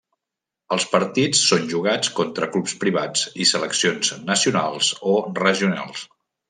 Els partits són jugats contra clubs privats i seleccions nacionals o regionals.